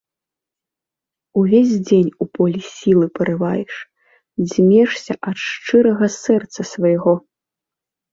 Увесь дзень у полі сілы парываеш, дзьмешся ад шчырага сэрца свайго.